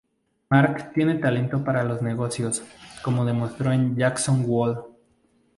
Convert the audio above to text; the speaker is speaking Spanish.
Mark tiene talento para los negocios, como demostró en Jackson's Whole.